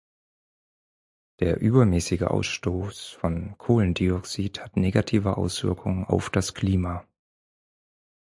Der übermäßige Ausstoß von Kohlendioxid hat negative Auswirkungen auf das Klima.